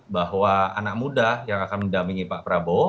bahwa anak muda yang akan mendampingi pak prabowo